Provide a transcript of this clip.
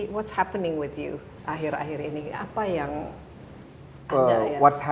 apa yang terjadi denganmu akhir akhir ini apa yang ada ya